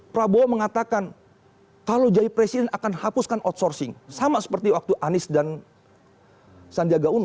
prabowo mengatakan kalau jadi presiden akan hapuskan outsourcing sama seperti waktu anies dan sandiaga uno